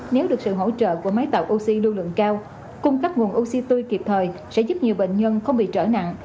nếu được sự hỗ trợ của máy tạo oxy lưu lượng cao cung cấp nguồn oxy tươi kịp thời sẽ giúp nhiều bệnh nhân không bị trở nặng